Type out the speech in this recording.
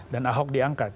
dan ahok diangkat